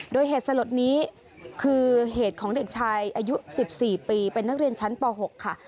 โดยเหตุสลดนี้คือเหตุของเด็กชายอายุ๑๔ปีเป็นนักเรียนชั้นป๖ค่ะ